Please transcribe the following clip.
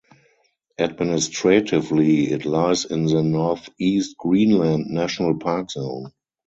Administratively it lies in the Northeast Greenland National Park zone.